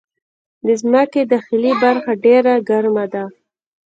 د مځکې داخلي برخه ډېره ګرمه ده.